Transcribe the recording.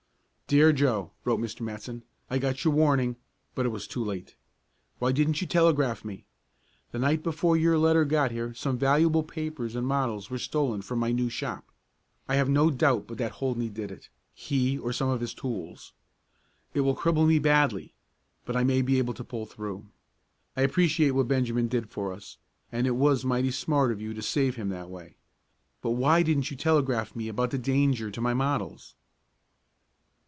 "Dear Joe," wrote Mr. Matson. "I got your warning, but it was too late. Why didn't you telegraph me? The night before your letter got here some valuable papers and models were stolen from my new shop. I have no doubt but that Holdney did it he or some of his tools. It will cripple me badly, but I may be able to pull through. I appreciate what Benjamin did for us, and it was mighty smart of you to save him that way. But why didn't you telegraph me about the danger to my models?"